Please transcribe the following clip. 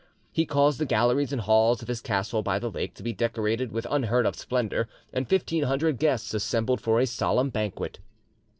He caused the galleries and halls of his castle by the lake to be decorated with unheard of splendour, and fifteen hundred guests assembled for a solemn banquet.